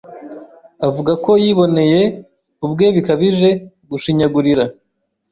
avuga ko yiboneye ubwe bikabije gushinyagurira